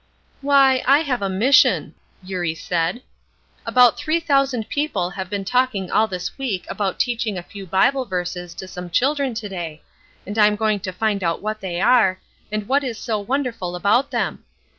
"Why I have a mission," Eurie said. "About three thousand people have been talking all this week about teaching a few Bible verses to some children to day, and I am going to find out what they are, and what is so wonderful about them.